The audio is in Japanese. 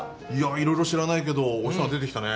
いろいろ知らないけどおいしそうなの出てきたね。